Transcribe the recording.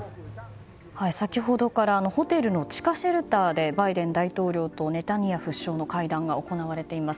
先ほどからホテルの地下シェルターでバイデン大統領とネタニヤフ首相の会談が行われています。